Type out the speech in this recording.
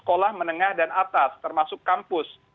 sekolah menengah dan atas termasuk kampus